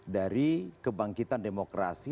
dari kebangkitan demokrasi